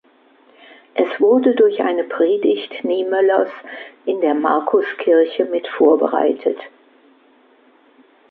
Es wurde durch eine Predigt Niemöllers in der Markuskirche mit vorbereitet.